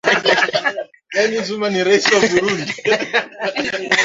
hiyoNa huku nyuma takriban miaka mia moja tu iliyopita Ofisi ya Mama Malkia